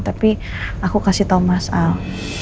tapi aku kasih tau mas al